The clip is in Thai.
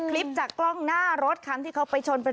คลิปจากกล้องหน้ารถคันที่เขาไปชนเป็น